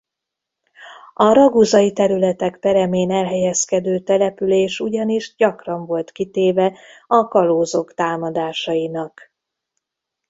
A raguzai területek peremén elhelyezkedő település ugyanis gyakran volt kitéve a kalózok támadásainak.